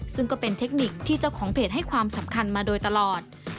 ซึ่งก็เป็นเทคนิคที่เจ้าของเพจให้ความสำคัญมาโดยตลอด